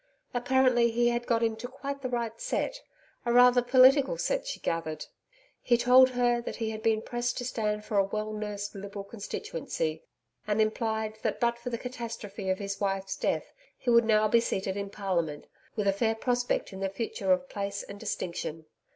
Apparently, he had got into quite the right set a rather political set, she gathered. He told her that he had been pressed to stand for a well nursed Liberal Constituency, and implied that but for the catastrophe of his wife's death he would now be seated in Parliament, with a fair prospect in the future of place and distinction.